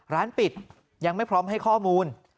ร้านปิดยังไม่พร้อมให้ข้อมูล